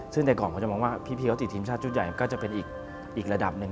ซึ่งแต่ก่อนเขาจะมองว่าพี่เขาติดทีมชาติชุดใหญ่มันก็จะเป็นอีกระดับหนึ่ง